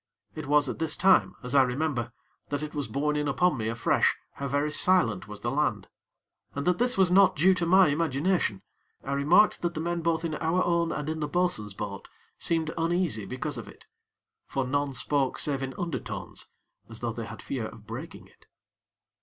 It was at this time, as I remember, that it was borne in upon me afresh how very silent was the land; and that this was not due to my imagination, I remarked that the men both in our own and in the bo'sun's boat, seemed uneasy because of it; for none spoke save in undertones, as though they had fear of breaking it.